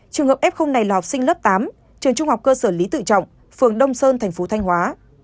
trường hợp f này là học sinh lớp tám trường trung học cơ sở lý tự trọng phường đông sơn thành phố thanh hóa